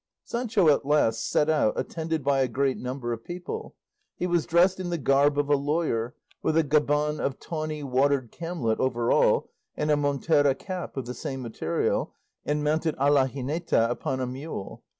Sancho at last set out attended by a great number of people. He was dressed in the garb of a lawyer, with a gaban of tawny watered camlet over all and a montera cap of the same material, and mounted a la gineta upon a mule.